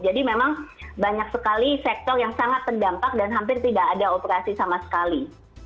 jadi memang banyak sekali sektor yang sangat terdampak dan hampir tidak ada operasi sama sekali